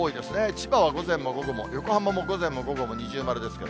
千葉は午前も午後も、横浜も午前も午後も二重丸です。